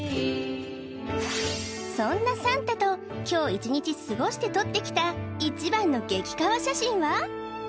そんなさんたと今日一日過ごして撮ってきた一番の激カワ写真は？